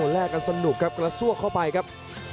แลกกันสนุกครับกระซวกเข้าไปครับ